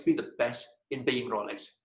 anda akan menjadi yang terbaik